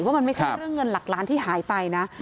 ว่ามันไม่ใช่เรื่องเงินหลักล้านที่หายไปนะ